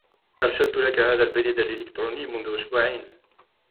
أرسلت لك هذا البريد الإلكتروني منذ أسبوعين